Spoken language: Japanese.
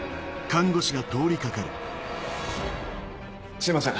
すいません。